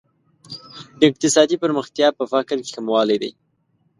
اقتصادي پرمختیا په فقر کې کموالی دی.